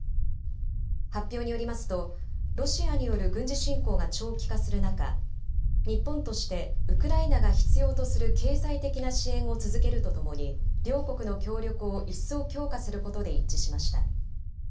発表によりますと、ロシアによる軍事侵攻が長期化する中、日本としてウクライナが必要とする経済的な支援を続けるとともに、両国の協力を一層強化することで一致しました。